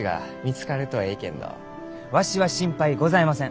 わしは心配ございません。